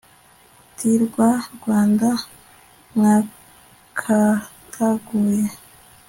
uti rwa rwanda mwakataguye